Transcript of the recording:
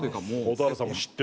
蛍原さんも知ってる。